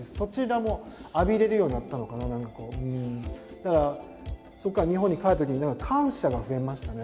だからそこから日本に帰ったときに感謝が増えましたね